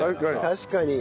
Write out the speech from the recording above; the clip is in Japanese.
確かに。